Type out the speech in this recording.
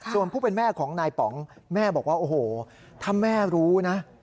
ส่วนผู้เป็นแม่ของนายป๋องแม่บอกว่าโอ้โหถ้าแม่รู้นะ